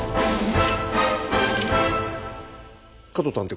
加藤探偵